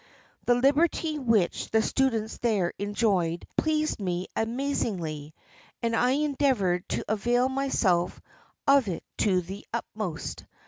The liberty which the students there enjoyed pleased me amazingly, and I endeavoured to avail myself of it to the utmost.